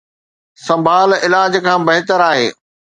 سنڀال علاج کان بهتر آهي.